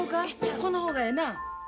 この方がええな。